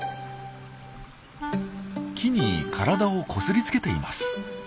木に体をこすりつけています。